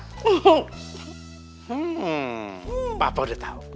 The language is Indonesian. hmm papa udah tau